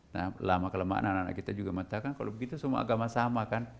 nah lama kelemahan anak anak kita juga mengatakan kalau begitu semua agama sama kan